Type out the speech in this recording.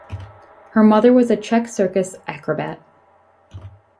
Her mother was a Czech circus acrobat.